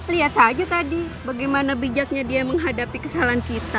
lihat saja tadi bagaimana bijaknya dia menghadapi kesalahan kita